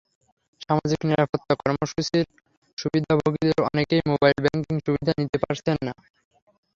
সামাজিক নিরাপত্তা কর্মসূচির সুবিধাভোগীদের অনেকেই মোবাইল ব্যাংকিং সুবিধা নিতে পারছেন না।